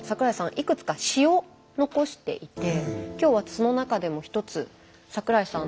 いくつか詩を残していて今日はその中でも１つ桜井さん